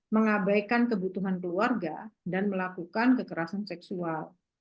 mengabaikan kebutuhan keluarga dan melakukan kekerasan seksual